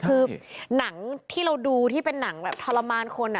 คือหนังที่เราดูที่เป็นหนังแบบทรมานคน